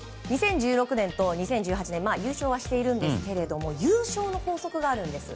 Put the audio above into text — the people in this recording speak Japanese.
２０１６年と２０１８年優勝しているんですが優勝の法則があるんです。